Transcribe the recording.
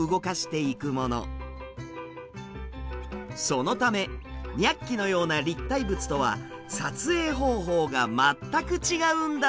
そのため「ニャッキ！」のような立体物とは撮影方法が全く違うんだそう。